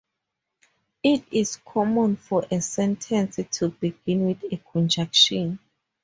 It is common for a sentence to begin with a conjunction.